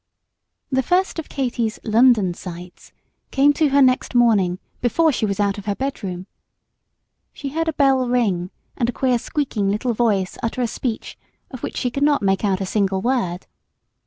The first of Katy's "London sights" came to her next morning before she was out of her bedroom. She heard a bell ring and a queer squeaking little voice utter a speech of which she could not make out a single word.